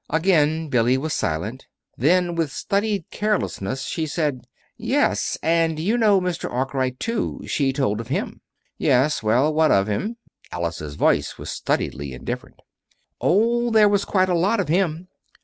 Again Billy was silent. Then, with studied carelessness, she said: "Yes, and you know Mr. Arkwright, too. She told of him." "Yes? Well, what of him?" Alice's voice was studiedly indifferent. "Oh, there was quite a lot of him.